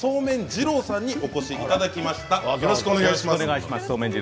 二郎さんにお越しいただきました。